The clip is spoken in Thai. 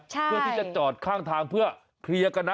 เพื่อที่จะจอดข้างทางเพื่อเคลียร์กันนะ